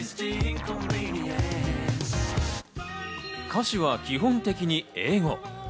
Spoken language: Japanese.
歌詞は基本的に英語。